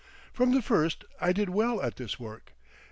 From the first I did well at this work.